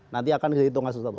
nanti akan dihitung asus satu